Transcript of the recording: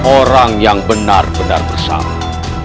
orang yang benar benar bersama